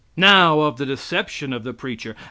Now, of the deception of the preacher.